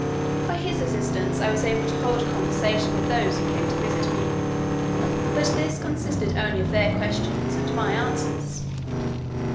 By his assistance, I was able to hold a conversation with those who came to visit me; but this consisted only of their questions, and my answers.